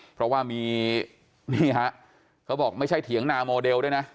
เพราะว่ามีนี่ฮะเขาบอกไม่ใช่เถียงนาโมเดลด้วยนะ